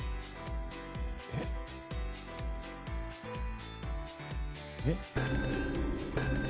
えっ？えっ？